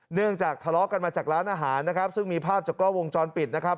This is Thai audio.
เนื่องจากทะเลาะกันมาจากร้านอาหารนะครับซึ่งมีภาพจากกล้องวงจรปิดนะครับ